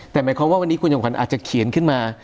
แต่หมายความว่าวันนี้คุณจำขวัญอาจจะเขียนขึ้นมา